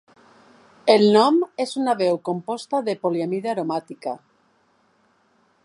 El nom és una veu composta de "poliamida aromàtica".